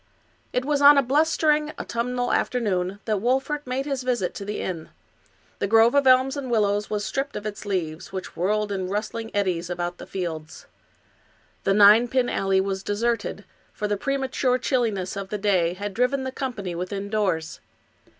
It was on a blustering autumnal afternoon that Wolfert made his visit to the inn. The grove of elms and willows was stripped of its leaves, which whirled in rustling eddies about the fields. The ninepin alley was deserted, for the premature chilliness of the day had driven the company within doors.